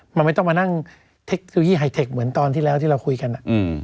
มันไม่ต้องมานั่งเทคโนโลยีไฮเทคเหมือนตอนที่แล้วที่เราคุยกัน